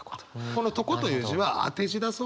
この「床」という字は当て字だそうです。